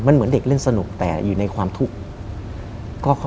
มันเหมือนเด็กเล่นสนุกแต่อยู่ในความทุกข์